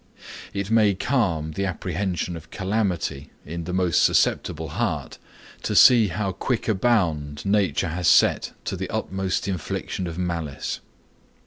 It may calm the apprehension of calamity in the most susceptible heart to see how quick a bound Nature has set to the utmost infliction of malice.